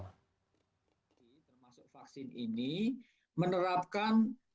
termasuk vaksin ini menerapkan